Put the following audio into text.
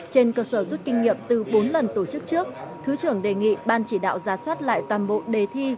trên cơ sở rút kinh nghiệm từ bốn lần tổ chức trước thứ trưởng đề nghị ban chỉ đạo ra soát lại toàn bộ đề thi